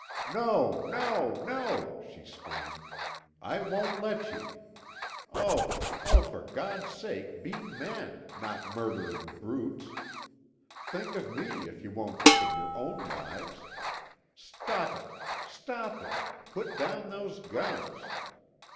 "No, no, no," she screamed, "I won't let you. Oh, oh, for God's sake be men, not murdering brutes. Think of me if you won't think of your own lives. Stop it, stop it! Put down those guns!"